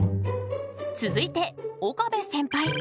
続いて岡部センパイ。